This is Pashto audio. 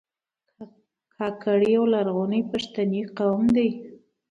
کاکړ یو لرغونی پښتنی قوم دی.